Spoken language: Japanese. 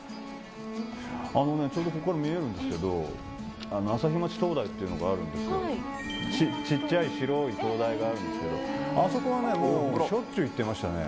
あのね、ちょうどここに見えるんですけど、旭町灯台というのがあるんですけど、ちっちゃい白い灯台があるんですけど、あそこは僕、しょっちゅう行ってましたね。